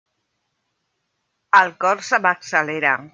El cor se m'accelera.